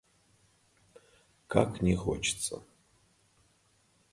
Как не хочется.